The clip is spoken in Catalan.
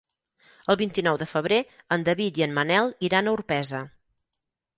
El vint-i-nou de febrer en David i en Manel iran a Orpesa.